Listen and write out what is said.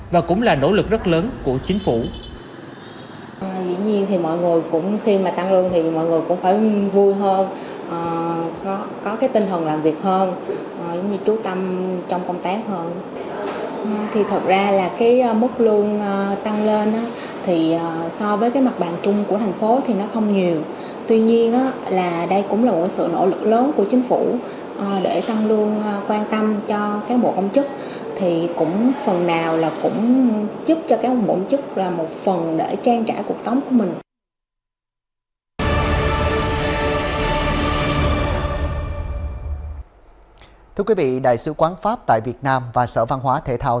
và cũng là nỗ lực rất lớn của chính phủ